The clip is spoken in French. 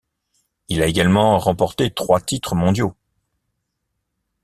Il a également remporté trois titres mondiaux.